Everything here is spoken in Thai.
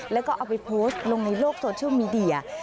แล้วก็เอาไปโพสต์ลงในโลกโซเชียลมีเดีย